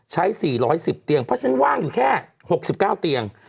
ใช้๔๑๐เตียงเพราะฉะนั้นว่างอยู่แค่๖๙เตียง